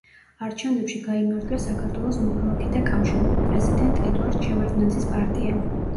არჩევნებში გაიმარჯვა საქართველოს მოქალაქეთა კავშირმა, პრეზიდენტ ედუარდ შევარდნაძის პარტიამ.